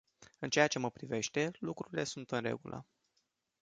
În ceea ce mă privește, lucrurile sunt în regulă.